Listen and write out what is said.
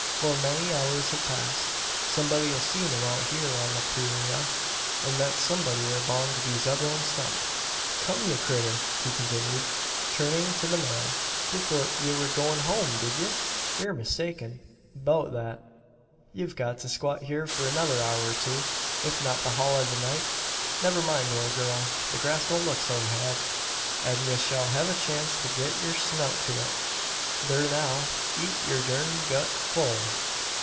'Fore many hours hev passed, somebody 'll see him out hyur on the purayra; an thet somebody air boun' to be Zeb'lon Stump. "Come, ye critter!" he continued, turning to the mare, "ye thort ye wur a goin' hum, did ye? Yur mistaken 'beout that. Ye've got to squat hyur for another hour or two if not the hul o' the night. Never mind, ole gurl! The grass don't look so had; an ye shell hev a chance to git yur snout to it. Thur now eet your durned gut full!"